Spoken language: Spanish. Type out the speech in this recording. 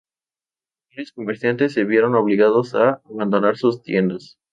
Varios comerciantes se vieron obligados a abandonar sus tiendas.